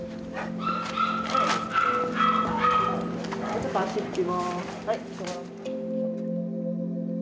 ちょっと足ふきます。